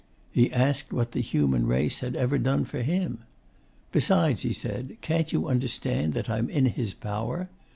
He asked what the human race had ever done for him. 'Besides,' he said, 'can't you understand that I'm in his power?